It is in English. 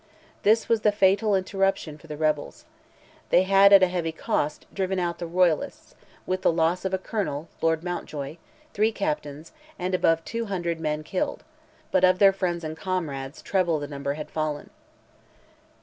This was the fatal interruption for the rebels. They had, at a heavy cost, driven out the royalists, with the loss of a colonel (Lord Mountjoy), three captains, and above 200 men killed: but of their friends and comrades treble the number had fallen.